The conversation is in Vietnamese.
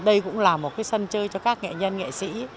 đây cũng là một cái sân chơi cho các nghệ nhân nghệ sĩ